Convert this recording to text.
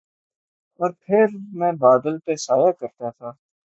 اور پھر میں بادل پہ سایہ کرتا تھا